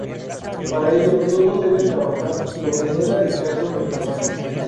Para ello, todos deben trabajar, lo que no era el caso en el pasado.